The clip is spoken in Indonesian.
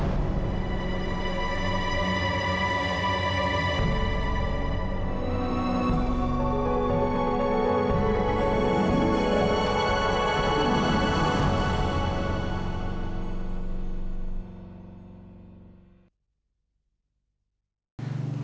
dewi aja yang satu siapa tuh